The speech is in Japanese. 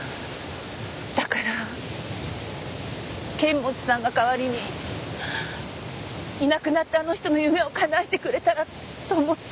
だから剣持さんが代わりにいなくなったあの人の夢を叶えてくれたらと思って。